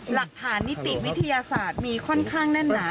หลักฐานนิติวิทยาศาสตร์มีค่อนข้างแน่นหนา